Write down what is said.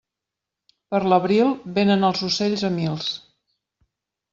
Per l'abril, vénen els ocells a mils.